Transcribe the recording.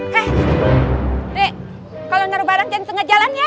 hei re kalau naruh barang jangan tengah jalan ya